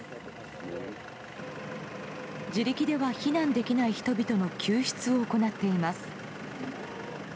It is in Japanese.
自力では避難できない人々の救出を行っています。